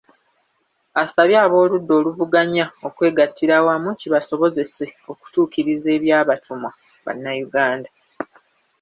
Asabye ab’oludda oluvuganya okwegattira awamu kibasobozese okutuukiriza ebyabatumwa Bannayuganda.